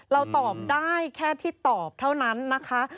เราตอบได้แค่ที่ตอบเท่านั้นนะคะ